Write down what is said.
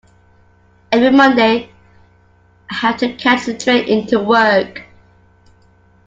Every Monday I have to catch the train into work